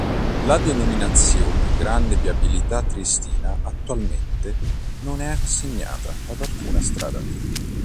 La denominazione "Grande Viabilità Triestina" attualmente non è assegnata ad alcuna strada.